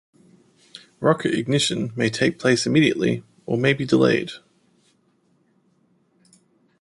Rocket ignition may take place immediately, or may be delayed.